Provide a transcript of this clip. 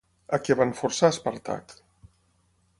A què van forçar a Espàrtac?